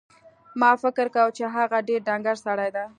ما فکر کاوه چې هغه ډېر ډنګر سړی دی.